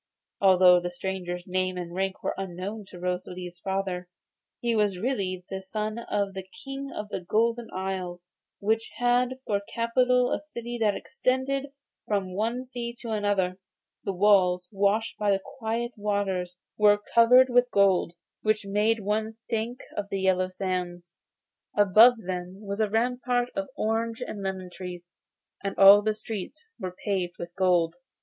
Although the stranger's name and rank were unknown to Rosalie's father, he was really the son of the King of the Golden Isle, which had for capital a city that extended from one sea to another. The walls, washed by the quiet waters, were covered with gold, which made one think of the yellow sands. Above them was a rampart of orange and lemon trees, and all the streets were paved with gold.